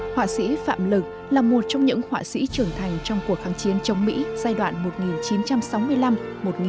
họa sĩ phạm lực là một trong những họa sĩ trưởng thành trong cuộc kháng chiến chống mỹ giai đoạn một nghìn chín trăm sáu mươi năm một nghìn chín trăm bảy mươi